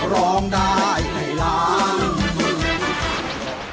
พ่อของหนูไปรับเหมางานก่อสร้าง